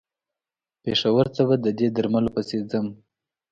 پېښور ته به د دې درملو پسې ځم.